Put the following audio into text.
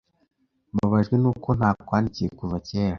Mbabajwe nuko ntakwandikiye kuva kera.